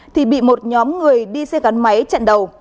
thì bị một nhóm người đi xe gắn máy chặn đầu